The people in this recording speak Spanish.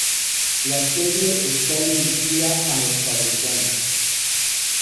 La serie está dirigida a los fabricantes.